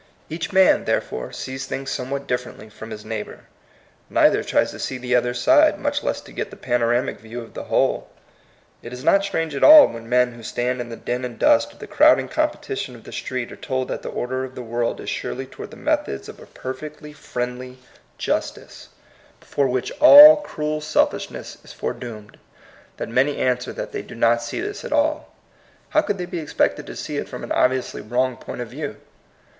Each man, therefore, sees things somewhat differently from his neighbor. Neither tries to see the other*s side, much less to get the panoramic view of the whole. It is not strange at all when men who stand in the din and dust of the crowding competition of the street are told that the order of the world is surely toward the methods of a perfectly friendly 64 TEK COMING PEOPLE. justice, before which all cruel selfishness is foredoomed, that many answer that they do not see this at all. How could they be ex pected to see it from an obviously wrong point of view?